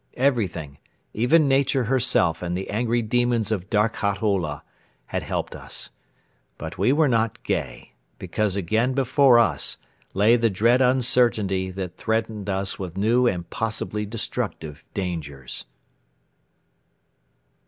Everything, even Nature herself and the angry demons of Darkhat Ola, had helped us: but we were not gay, because again before us lay the dread uncertainty that threatened us with new and possibly destructive dangers.